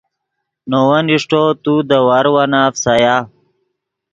نے ون اݰٹو تو دے واروانہ فیسایا